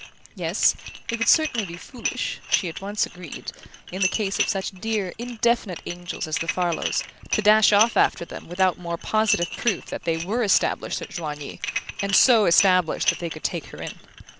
Yes, it would certainly be foolish she at once agreed in the case of such dear indefinite angels as the Farlows, to dash off after them without more positive proof that they were established at Joigny, and so established that they could take her in.